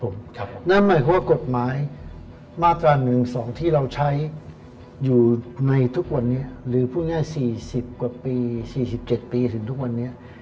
นั่นหมายความว่ากฎหมายมาตรา๑๒ที่เราใช้อยู่ในทุกวันนี้หรือพูดง่าย๔๐กว่าปี๔๗ปีถึงทุกวันนี้